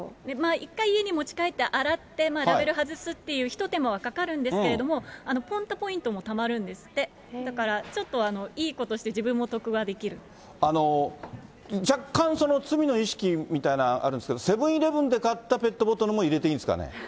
一回家に持ち帰って洗って、ラベル外すという一手間はかかるんですけれども、ポンタポイントもたまるんですって、だからちょっといいことして、若干、罪の意識みたいなのがあるんですけれども、セブンーイレブンで買ったペットボトルも入れていいんですかね？